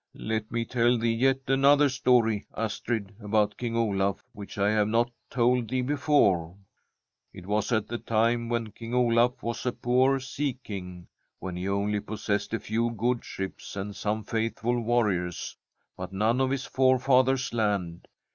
' Let me tell thee yet another story, Astrid, about King Olaf, which I have not told thee be fore :' It was at the time when King Olaf was a poor sea king, when he only possessed a few good ships and some faithful warriors, but none of his forefathers' land.